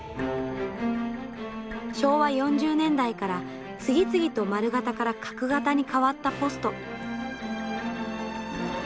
昭和４０年代から次々と丸型から角型に変わったポスト。